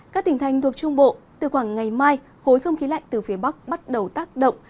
các tỉnh thành thuộc trung bộ từ khoảng ngày mai khối không khí lạnh từ phía bắc bắt đầu tác động